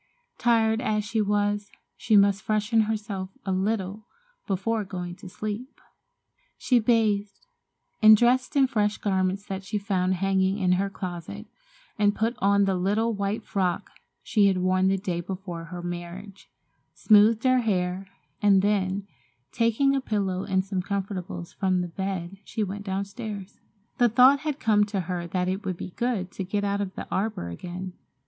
Tired as she was she must freshen herself a little before going to sleep. She bathed and dressed in fresh garments that she found hanging in her closet, and put on the little white frock she had worn the day before her marriage, smoothed her hair, and then, taking a pillow and some comfortables from the bed, she went downstairs. The thought had come to her that it would be good to get out to the arbor again.